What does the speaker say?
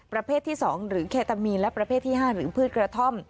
ประเภทที่๒หรือเคตามีนและประเภทที่๕หรือพืชกระท่อม